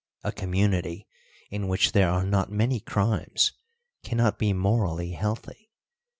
A community in which there are not many crimes cannot be morally healthy.